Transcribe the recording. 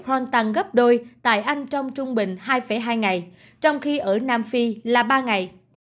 hon tăng gấp đôi tại anh trong trung bình hai hai ngày trong khi ở nam phi là ba ngày